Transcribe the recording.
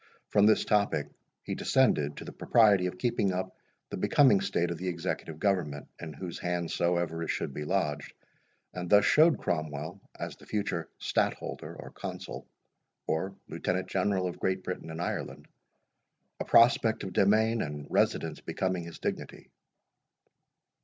From this topic he descended to the propriety of keeping up the becoming state of the Executive Government, in whose hands soever it should be lodged, and thus showed Cromwell, as the future Stadtholder, or Consul, or Lieutenant General of Great Britain and Ireland, a prospect of demesne and residence becoming his dignity.